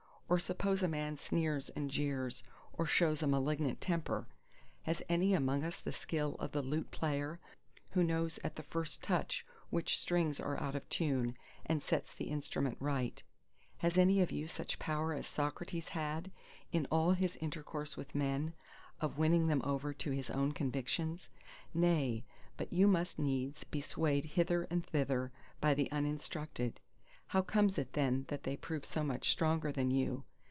Or suppose a man sneers and jeers or shows a malignant temper? Has any among us the skill of the lute player, who knows at the first touch which strings are out of tune and sets the instrument right: has any of you such power as Socrates had, in all his intercourse with men, of winning them over to his own convictions? Nay, but you must needs be swayed hither and thither by the uninstructed. How comes it then that they prove so much stronger than you?